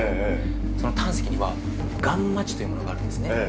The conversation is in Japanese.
その胆石にはガンマ値というものがあるんですね。